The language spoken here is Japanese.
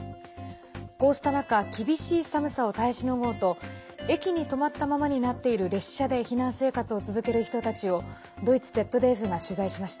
こうした中厳しい寒さを耐えしのごうと駅に止まったままになっている列車で避難生活を続ける人たちをドイツＺＤＦが取材しました。